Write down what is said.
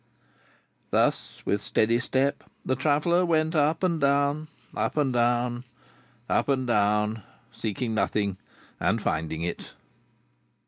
Thus, with a steady step, the traveller went up and down, up and down, up and down, seeking nothing, and finding it.